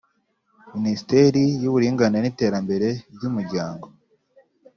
Minisiteri y’uburinganire n’iterambere ry’umuryango